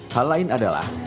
hal lain adalah